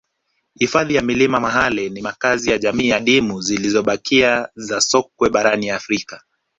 Hifadhi ya milima Mahale ni makazi ya jamii adimu zilizobakia za sokwe barani Afrika